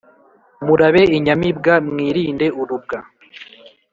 Murabe inyamibwa mwirinde urubwa